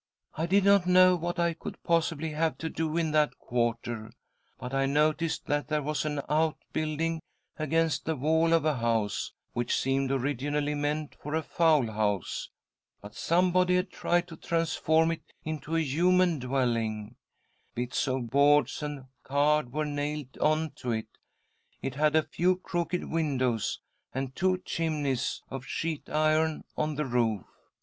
I did not know what I could possibly have to do in that quarter, but I noticed that there was an outbuilding against the wall of a house, which seemed originally meant for a fowl house. But somebody had tried to /—:.,—.*• SISTER EDITH PLEADS WITH DEATH 113 . transform it into a human dwelling. Bits of boards and card were nailed on to it ; it had a few crooked windows, and two chimneys of sheet iron on the roof.